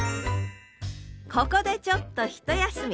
ここでちょっとひと休み！